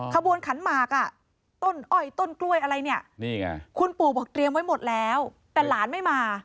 ขบวนขันหมากอ่ะต้นอ้อยต้นกล้วยอะไรเนี่ยคุณปู่บอกเตรียมไว้หมดแล้วแต่หลานไม่มา